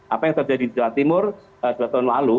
apa yang terjadi di jawa timur dua tahun lalu